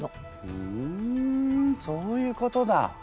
ふんそういうことだ。